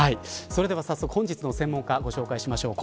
それでは早速、本日の専門家ご紹介しましょう。